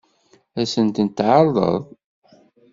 Ad sen-tent-tɛeṛḍeḍ?